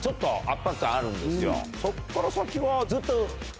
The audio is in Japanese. そっから先はずっと。